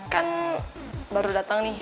kan baru datang nih